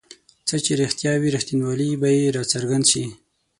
څه چې رښتیا وي رښتینوالی به یې راڅرګند شي.